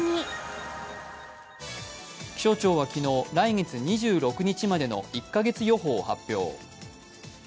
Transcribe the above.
気象庁は昨日、来月２６日までの１カ月予報を発表。